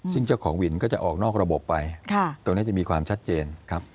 ซึ่งเจ้าของวินก็จะออกนอกระบบไปตรงนี้จะมีความชัดเจนครับ